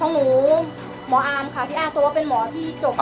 ข้างหนูหมออาร์มค่ะที่อ้างตัวว่าเป็นหมอที่จบ